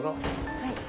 はい。